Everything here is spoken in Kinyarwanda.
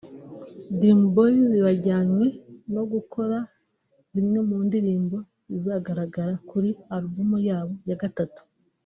Dream Boyz bajyanwe no gukora zimwe mu ndirimbo zizagaragara kuri albumu yabo ya gatatu